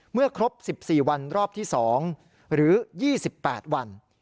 เมื่อครบ๑๔วันรอบที่๒หรือ๒๘วัน